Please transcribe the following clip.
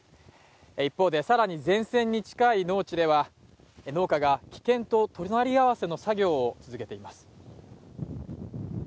一方で更に前線に近い農地では、農家が危険と隣り合わせの作業を続けています。